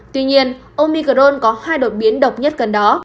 tuy nhiên omicron có hai đột biến độc nhất gần đó